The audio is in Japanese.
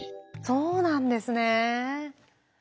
そうなんですね。